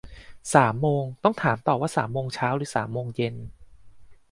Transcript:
สามโมง ต้องถามต่อว่าสามโมงเช้าหรือสามโมงเย็น